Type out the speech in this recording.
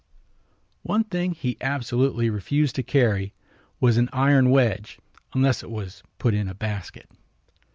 One thing he absolutely refused to carry was an iron wedge unless it was put in a basket.